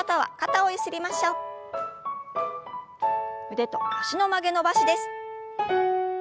腕と脚の曲げ伸ばしです。